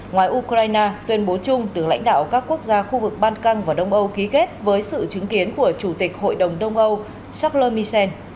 ngoài ukraine tuyên bố chung được lãnh đạo các quốc gia khu vực ban căng và đông âu ký kết với sự chứng kiến của chủ tịch hội đồng đông âu charles misen